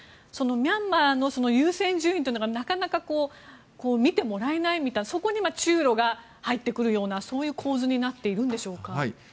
そのミャンマーの優先順位がなかなか見てもらえないみたいなそこに中ロが入ってくるようなそういう構図になっているんでしょうか？